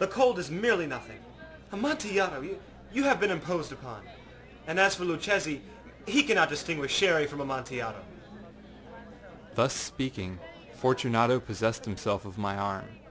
The cold is merely nothing. Amontillado! You have been imposed upon. And as for Luchesi, he cannot distinguish Sherry from Amontillado.â Thus speaking, Fortunato possessed himself of my arm.